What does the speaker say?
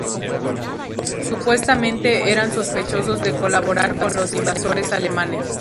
Supuestamente eran sospechosos de colaborar con los invasores alemanes.